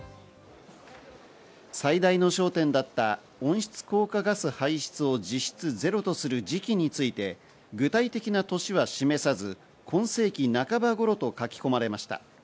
最大の焦点だった温室効果ガス排出を実質ゼロとする時期について、具体的な年は示さず、今世紀半ばごろと書き込まれました。